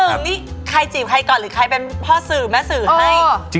นี่ใครจีบใครก่อนหรือใครเป็นพ่อสื่อแม่สื่อให้